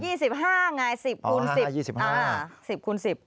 เท่ากับ๒๕ไง๑๐คูณ๑๐